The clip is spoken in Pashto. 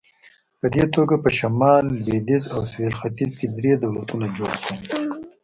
په دې توګه په شمال، لوېدیځ او سویل ختیځ کې درې دولتونه جوړ شول.